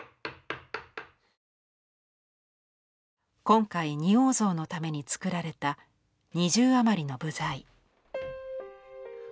今回仁王像のためにつくられた２０余りの部材。